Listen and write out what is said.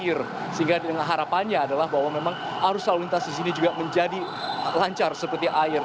dia menggunakan alur air sehingga dengan harapannya adalah bahwa memang arus lalu lintas disini juga menjadi lancar seperti air